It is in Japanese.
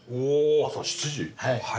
朝７時。